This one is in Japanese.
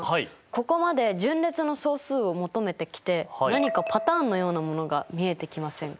ここまで順列の総数を求めてきて何かパターンのようなものが見えてきませんか？